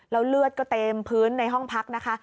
แล้วเลือดก็เต็มพื้นในห้องพักนะคะ